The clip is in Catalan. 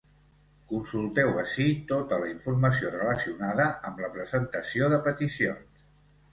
Consulteu ací tota la informació relacionada amb la presentació de peticions.